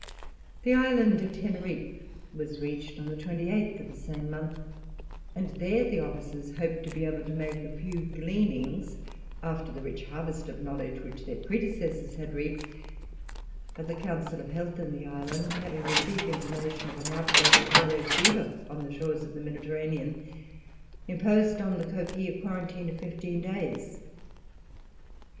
The island of Teneriffe was reached on the 28th of the same month, and there the officers hoped to be able to make a few gleanings after the rich harvest of knowledge which their predecessors had reaped; but the Council of Health in the island, having received information of an outbreak of yellow fever on the shores of the Mediterranean, imposed on the Coquille a quarantine of fifteen days.